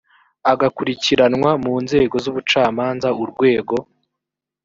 agakurikiranwa mu nzego z ubucamanza urwego